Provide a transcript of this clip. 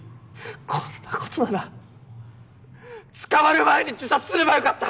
こんなことなら捕まる前に自殺すればよかった！！